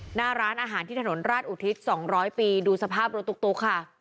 หน้าร้านอาหารที่ถนนราชอุทิศ๒๐๐ปีดูสภาพรถตุ๊กค่ะ